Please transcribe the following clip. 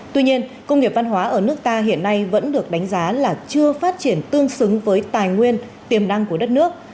tuy nhiên công nghiệp văn hóa ở nước ta hiện nay vẫn được đánh giá là chưa phát triển tương xứng với tài nguyên tiềm năng của đất nước